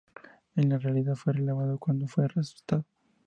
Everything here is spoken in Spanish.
Él en realidad fue relevado cuando fue arrestado.